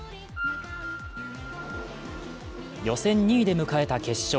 予選２位で迎えた決勝。